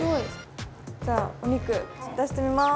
じゃあお肉出してみます。